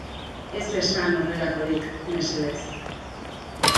Ez esan horrelakorik, mesedez.